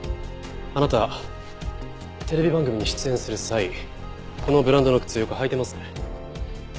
あなたテレビ番組に出演する際このブランドの靴をよく履いていますね。